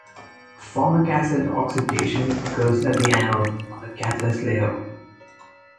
Formic acid oxidation occurs at the anode on a catalyst layer.